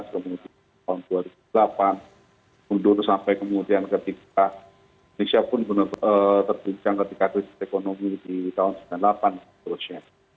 kemudian sampai kemudian ketika indonesia pun terbincang ketika riset ekonomi di tahun seribu sembilan ratus sembilan puluh delapan terusnya